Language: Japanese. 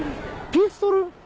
ピストル？